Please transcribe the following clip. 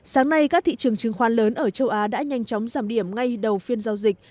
sáng nay các thị trường chứng khoán lớn ở châu á đã nhanh chóng giảm điểm ngay đầu phiên giao dịch